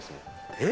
えっ？